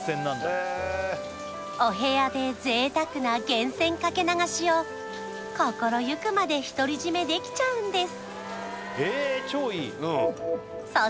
お部屋で贅沢な源泉掛け流しを心ゆくまで独り占めできちゃうんです